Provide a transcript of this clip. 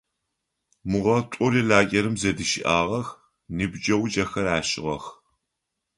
Мыгъэ тӏури лагерым зэдыщыӏагъэх, ныбджэгъукӏэхэр ашӏыгъэх.